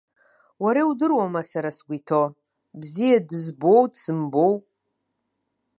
Уара иудыруама сара сгәы иҭоу, бзиа дызбауоу дсымбауоу?